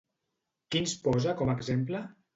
Quins posa com a exemple?